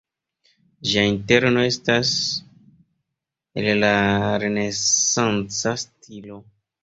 Ĝia interno estas el renesanca stilo.